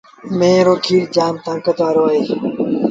ميݩهن رو کير جآم تآݩڪت وآرو اهي۔